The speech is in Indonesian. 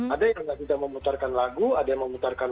ada yang tidak memutarkan lagu ada yang memutarkan